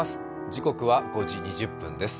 時刻は５時２０分です。